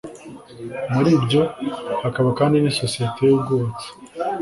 muri ibyo hakaba kandi n’isosiyete y’ubwubatsi